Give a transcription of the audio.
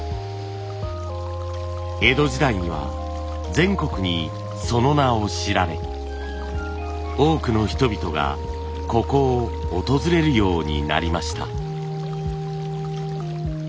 江戸時代には全国にその名を知られ多くの人々がここを訪れるようになりました。